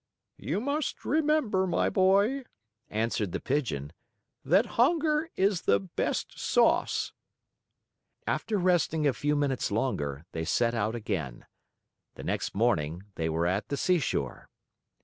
"You must remember, my boy," answered the Pigeon, "that hunger is the best sauce!" After resting a few minutes longer, they set out again. The next morning they were at the seashore.